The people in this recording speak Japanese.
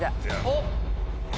おっ！